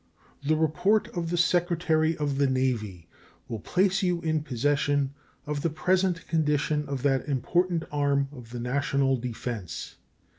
The report of the Secretary of the Navy will place you in possession of the present condition of that important arm of the national defense.